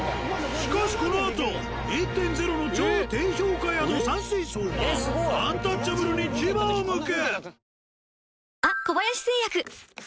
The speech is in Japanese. しかしこのあと１．０の超低評価宿「山水荘」がアンタッチャブルに牙をむく！